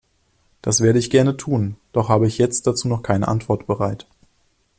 Das werde ich gerne tun, doch habe ich jetzt dazu noch keine Antwort bereit.